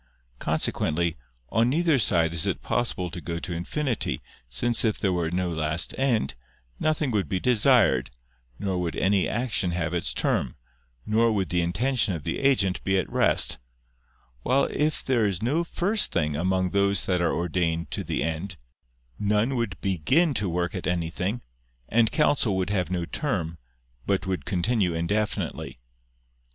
Consequently, on neither side is it possible to go to infinity since if there were no last end, nothing would be desired, nor would any action have its term, nor would the intention of the agent be at rest; while if there is no first thing among those that are ordained to the end, none would begin to work at anything, and counsel would have no term, but would continue indefinitely.